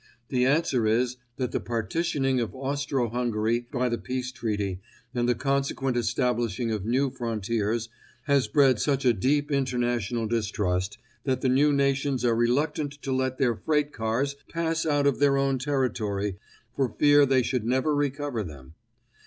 The answer is that the partitioning of Austro Hungary by the Peace Treaty and the consequent establishing of new frontiers has bred such a deep international distrust that the new nations are reluctant to let their freight cars pass out of their own territory for fear they should never recover them.